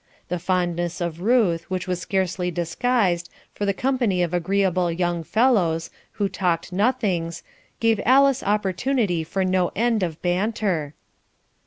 The fondness of Ruth, which was scarcely disguised, for the company of agreeable young fellows, who talked nothings, gave Alice opportunity for no end of banter.